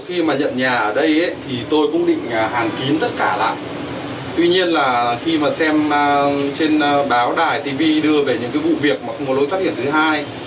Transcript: em trên báo đài tv đưa về những vụ việc mà không có lối thoát hiểm thứ hai